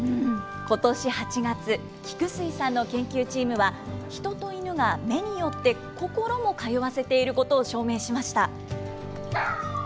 ことし８月、菊水さんの研究チームは、ヒトとイヌが目によって心も通わせていることを証明しました。